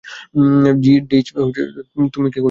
ডিজ, তুমি কি করছো?